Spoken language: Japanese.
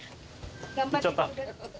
行っちゃった。